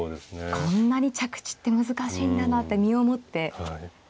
こんなに着地って難しいんだなって身をもって。